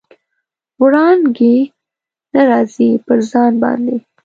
وړانګې نه راځي، پر ځان باندې